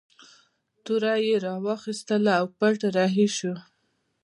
توره یې راواخیستله او پټ رهي شو.